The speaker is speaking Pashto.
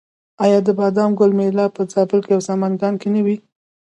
آیا د بادام ګل میله په زابل او سمنګان کې نه وي؟